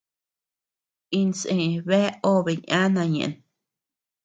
Insë bea obe yana ñeʼen.